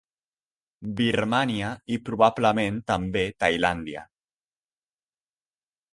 Birmània i, probablement també, Tailàndia.